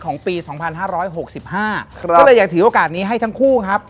ปี๒๕๖๕ก็เลยอยากถือโอกาสนี้ให้ทั้งคู่ครับ